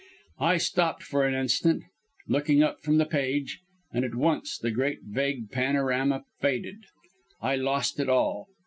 I stopped for an instant, looking up from the page, and at once the great vague panorama faded. I lost it all.